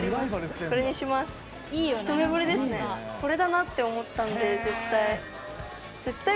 これだなって思ったんで、絶対。